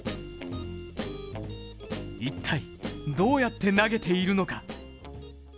一体、どうやって投げているのか。